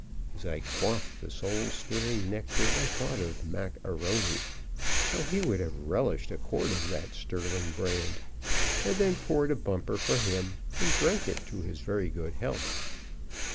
As I quaffed the soul stirring nectar, I thought of Mac A'Rony how he would have relished a quart of that sterling brand! and then poured a bumper for him and drank it to his very good health.